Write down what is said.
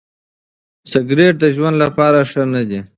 سګریټ د ژوند لپاره ښه نه دی.